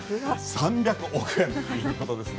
３００億円ということですね。